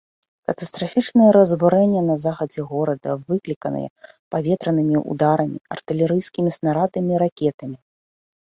Катастрафічныя разбурэння на захадзе горада выкліканыя паветранымі ўдарамі, артылерыйскімі снарадамі і ракетамі.